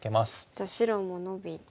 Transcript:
じゃあ白もノビて。